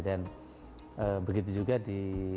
dan begitu juga di